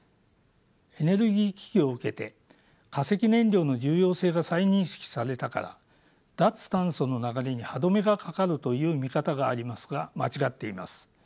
エネルギー危機を受けて化石燃料の重要性が再認識されたから脱炭素の流れに歯止めがかかるという見方がありますが間違っています。